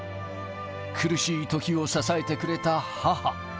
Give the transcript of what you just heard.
苦しいときを支えてくれた母。